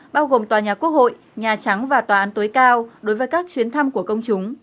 bao gồm tòa nhà quốc hội nhà trắng và tòa án tối cao đối với các chuyến thăm của công chúng